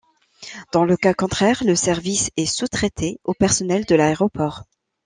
Dans le cas contraire le service est sous-traité au personnel de l'aéroport.